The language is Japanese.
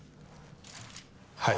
はい。